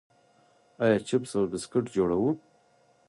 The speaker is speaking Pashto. آیا چپس او بسکټ جوړوو؟